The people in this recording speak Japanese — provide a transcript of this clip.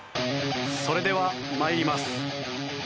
それでは参ります。